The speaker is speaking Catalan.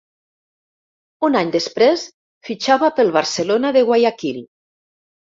Un any després fitxava pel Barcelona de Guayaquil.